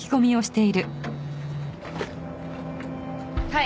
はい。